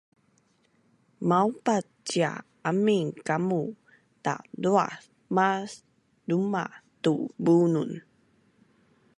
maupaa cia amin kamu laduaz mas duma tu bunun